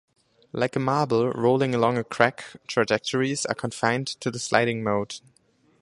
Like a marble rolling along a crack, trajectories are confined to the sliding mode.